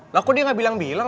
lah kok dia gak bilang bilang